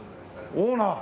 オーナー？